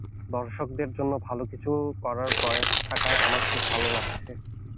দর্শকদের জন্য ভালো কিছু করার প্রয়াস থাকায় আমার খুব ভালো লাগছে।